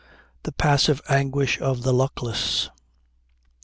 The passive anguish of the luckless!